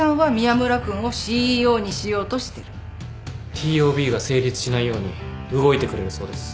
ＴＯＢが成立しないように動いてくれるそうです。